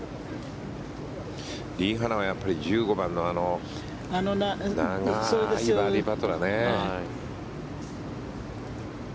リ・ハナは１５番のあの長いバーディーパットだよね。